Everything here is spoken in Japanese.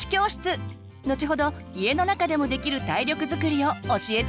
のちほど家の中でもできる体力づくりを教えて頂きます。